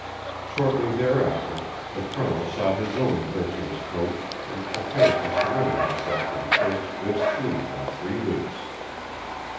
Shortly thereafter the Colonel sought his own virtuous couch and prepared to surrender himself to the first good sleep in three weeks.